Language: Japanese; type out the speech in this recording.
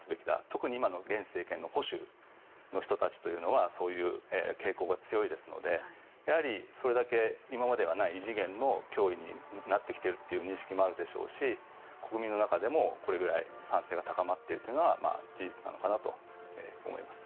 特に今の現政権の保守の人たちというのはそういう傾向が強いですのでやはり、それだけ今までにはない異次元の脅威になってきているという認識もあるでしょうし国民の中でもこれぐらい賛成が高まっているのは事実なのかなと思います。